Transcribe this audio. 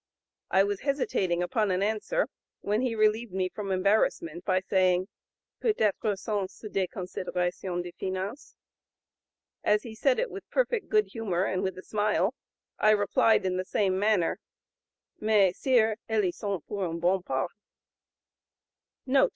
I was hesitating upon an answer when he relieved me from embarrassment by saying, 'Peut être sont ce des considerations de finance?' As he said it with perfect good humor and with a smile, I replied in the same manner: 'Mais Sire, elles y sont pour une bonne part.'"